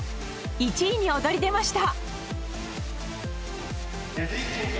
１位に躍り出ました！